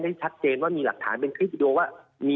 ชัดเจนว่ามีหลักฐานเป็นคลิปวิดีโอว่า